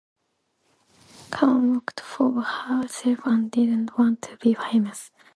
Cahun worked for herself and did not want to be famous.